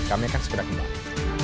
kami akan segera kembali